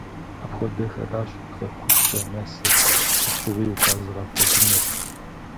Апхуэдэхэращ хэкупсэ нэсыр, сыт щыгъуи укъэзыгъэпэжынур.